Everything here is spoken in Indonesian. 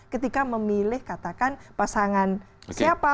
ketika memilih katakan pasangan siapa